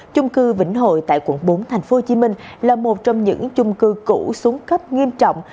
chung cư vĩnh hội tại quận bốn tp hcm là một trong những chung cư cũ xuống cấp nghiêm trọng